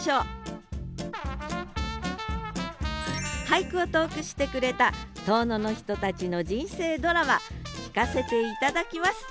俳句を投句してくれた遠野の人たちの人生ドラマ聞かせて頂きます！